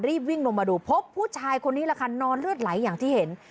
รีบวิ่งลงมาดูพบผู้ชายคนนี้แหละค่ะนอนเลือดไหลอย่างที่เห็น